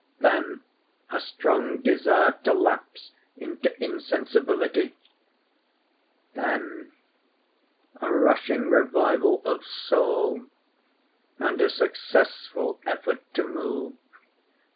Then a strong desire to lapse into insensibility. Then a rushing revival of soul and a successful effort to move.